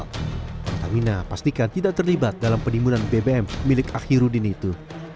pertamina pastikan tidak terlibat dalam penimbunan bbm milik ahyrudin itu